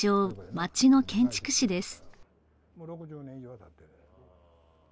・町の建築士です